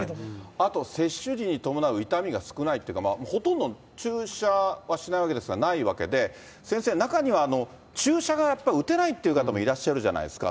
あと、接種時に伴う痛みが少ないというか、ほとんど注射はしないわけですからないわけで、先生、中には注射がやっぱり打てないっていう方もいらっしゃるじゃないですか。